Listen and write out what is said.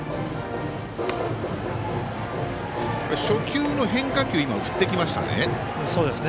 初球の変化球を振っていきましたね。